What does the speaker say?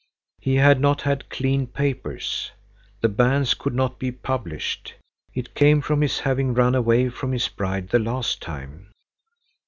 He had not had "clean papers." The bans could not be published. It came from his having run away from his bride the last time.